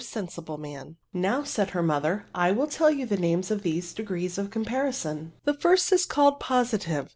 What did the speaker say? sen sible maa«" " Now>'* said her mother, " I will teU ypu the names of these degrees of compapson. The first is called Positive.